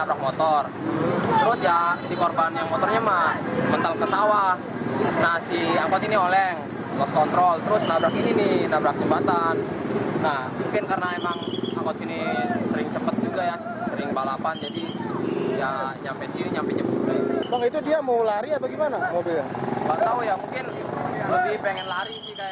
oh ya mungkin lebih pengen lari sih